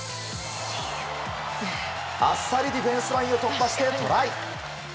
あっさりディフェンスラインを突破してトライ！